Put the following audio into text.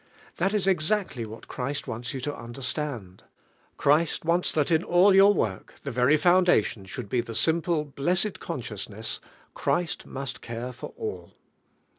That is exactly whai Christ wants yon to understand. Christ wants thi ail your work the very foundation shonld he the simple, blessed consciousness: Chris! must care for all.